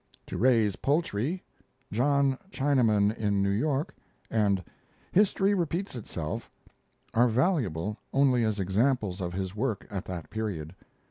"To Raise Poultry," "John Chinaman in New York," and "History Repeats Itself" are valuable only as examples of his work at that period.